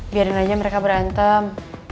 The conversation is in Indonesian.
biarin aja mereka berantem